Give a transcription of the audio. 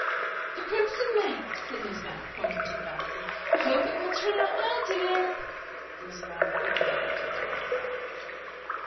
"The crimson lake," said Miss Mapp, pointing to the basket. "Hope it will turn out well, dear." There was rather a wicked light in Diva's eyes.